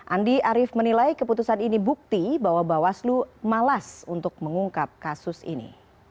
andi arief menilai keputusan ini bukti bahwa bawaslu malas untuk mengungkap kasus ini